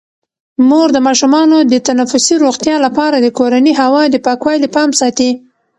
مور د ماشومانو د تنفسي روغتیا لپاره د کورني هوا د پاکوالي پام ساتي.